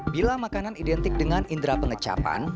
bila makanan identik dengan indera pengecapan